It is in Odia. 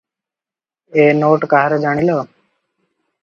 "ଏ ନୋଟ କାହାର ଜାଣିଲ?"